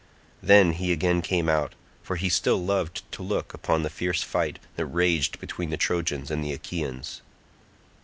Then he again came out, for he still loved to look upon the fierce fight that raged between the Trojans and Achaeans.